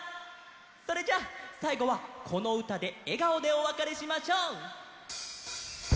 それじゃあさいごはこのうたでえがおでおわかれしましょう！